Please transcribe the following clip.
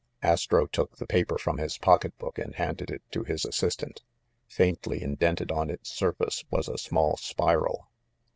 Astro took the paper from his pocketbook and handed it to his assistant. Faintly indented on its surface was a small spiral.